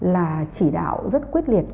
là chỉ đạo rất quyết liệt